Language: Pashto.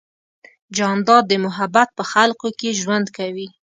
جانداد د محبت په خلقو کې ژوند کوي.